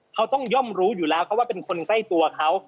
เขาต้องย่อมรู้อยู่แล้วเขาว่าเป็นคนใกล้ตัวเขา